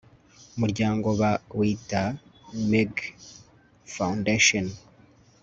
muryango bawita MEG FOUNDATION